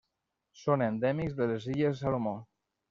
Són endèmics de les Illes Salomó.